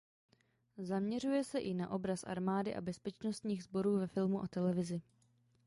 Zaměřuje se i na obraz armády a bezpečnostních sborů ve filmu a televizi.